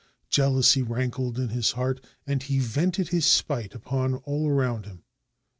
Jeal ousy rankled in his heart, and he vented his spite upon all around him.